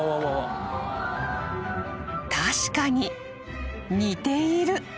［確かに似ている］